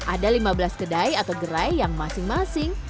ada lima belas kedai atau gerai yang masing masing